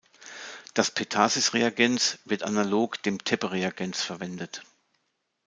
Das Petasis-Reagenz wird analog dem Tebbe-Reagenz verwendet.